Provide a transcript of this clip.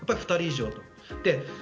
２人以上。